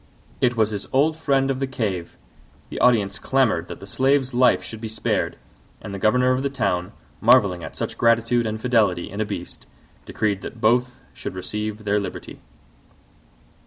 It was his old friend of the cave! The audience clamoured that the Slave's life should be spared: and the governor of the town, marvelling at such gratitude and fidelity in a beast, decreed that both should receive their liberty.